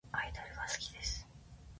アイドルが好きです。